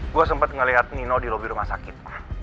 gue sempat ngelihat nino di lobby rumah sakit